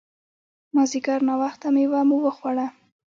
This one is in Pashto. مازیګر ناوخته مېوه مو وخوړه.